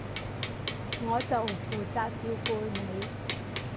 我就負責照顧你